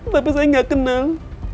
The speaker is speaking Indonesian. tapi saya tidak kenal